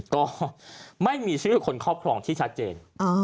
ก็ไม่มีชื่อคนครอบครองที่ชัดเจน